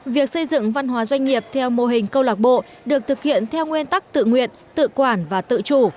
việc xây dựng văn hóa doanh nghiệp theo mô hình câu lạc bộ được thực hiện theo nguyên tắc tự nguyện tự quản và tự chủ